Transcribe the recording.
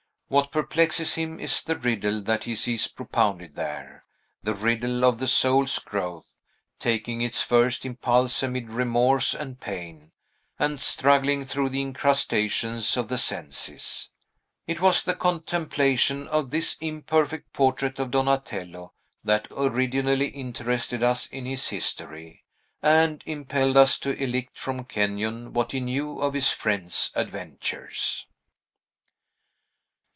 What perplexes him is the riddle that he sees propounded there; the riddle of the soul's growth, taking its first impulse amid remorse and pain, and struggling through the incrustations of the senses. It was the contemplation of this imperfect portrait of Donatello that originally interested us in his history, and impelled us to elicit from Kenyon what he knew of his friend's adventures.